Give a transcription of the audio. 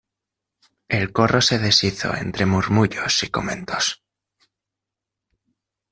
el corro se deshizo entre murmullos y comentos: